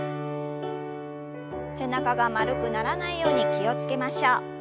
背中が丸くならないように気を付けましょう。